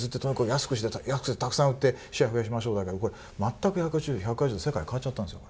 安くしてたくさん売ってシェア増やしましょうだけどこれ全く１８０度世界変わっちゃったんですよね。